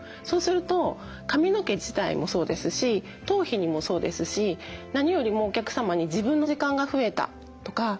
そうすると髪の毛自体もそうですし頭皮にもそうですし何よりもお客様に自分の時間が増えたとか。